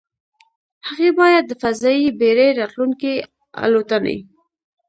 هغې باید د فضايي بېړۍ راتلونکې الوتنې